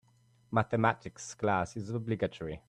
Mathematics class is obligatory.